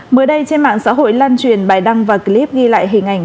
mới đây trên mạng xã hội lan truyền bài đăng và clip ghi lại hình ảnh